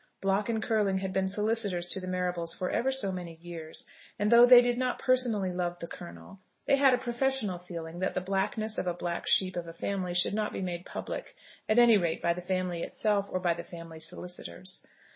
Block and Curling had been solicitors to the Marrables for ever so many years; and though they did not personally love the Colonel, they had a professional feeling that the blackness of a black sheep of a family should not be made public, at any rate by the family itself or by the family solicitors.